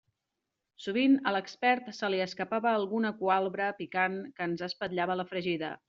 Sovint a l'expert se li escapava alguna cualbra picant que ens espatllava la fregida.